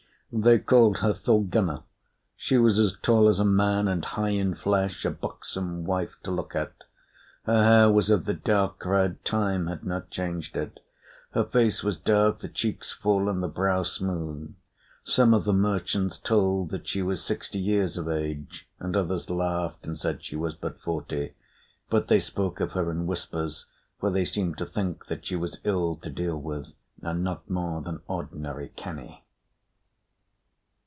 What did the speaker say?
They called her Thorgunna. She was as tall as a man and high in flesh, a buxom wife to look at. Her hair was of the dark red, time had not changed it. Her face was dark, the cheeks full, and the brow smooth. Some of the merchants told that she was sixty years of age and others laughed and said she was but forty; but they spoke of her in whispers, for they seemed to think that she was ill to deal with and not more than ordinary canny.